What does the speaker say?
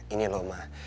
ini loh ma